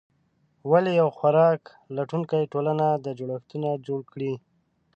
ولې یوه خوراک لټونکې ټولنه دا جوړښتونه جوړ کړي؟